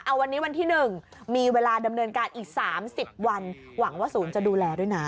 วันนี้วันที่๑มีเวลาดำเนินการอีก๓๐วันหวังว่าศูนย์จะดูแลด้วยนะ